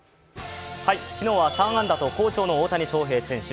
昨日は３安打と好調の大谷翔平選手。